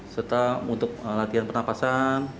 serta untuk latihan pernafasan